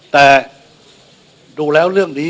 แต่ดูแล้วเรื่องนี้